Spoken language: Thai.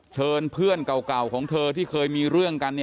เชิญเพื่อนเก่าของเธอที่เคยมีเรื่องกัน